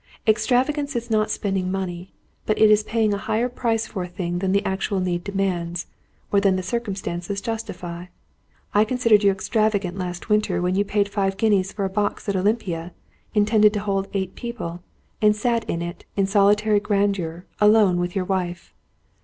Extravagance is not spending money. But it is paying a higher price for a thing than the actual need demands, or than the circumstances justify. I considered you extravagant last winter when you paid five guineas for a box at Olympia, intended to hold eight people, and sat in it, in solitary grandeur, alone with your wife."